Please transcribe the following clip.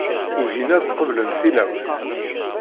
Ugin ad qeblen tillawt.